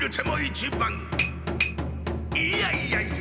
いやいやいや！